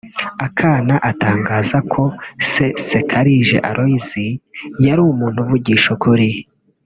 Akana atangaza ko se Nsekarije Aloys yari umuntu uvugisha ukuri